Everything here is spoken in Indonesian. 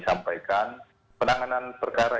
sampaikan penanganan perkara